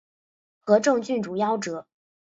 和政郡主夭折。